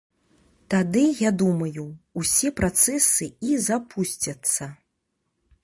Тады, я думаю, усе працэсы і запусцяцца.